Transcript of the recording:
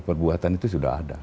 perbuatan itu sudah ada